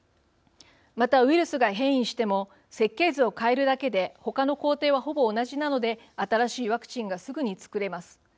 またウイルスが変異しても設計図を変えるだけで他の工程は、ほぼ同じなので新しいワクチンがすぐに作れます。